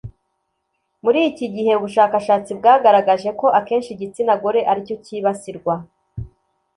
muri iki gihe, ubushakashatsi bwagaragaje ko akenshi igitsina gore aricyo cyibasirwa